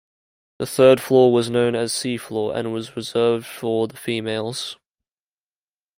The third floor was known as "C" floor and was reserved for the females.